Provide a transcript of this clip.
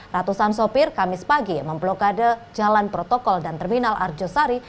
ratusan sopir kamis pagi memblokade jalan protokol dan terminal arjosari